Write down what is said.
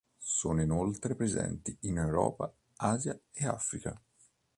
Sono inoltre presenti in Europa, Asia e Africa.